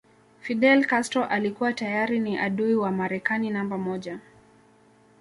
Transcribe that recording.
Fidel Castro alikuwa tayari ni adui wa Marekani namba moja